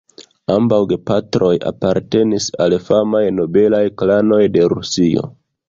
Ambaŭ gepatroj apartenis al famaj nobelaj klanoj de Rusio.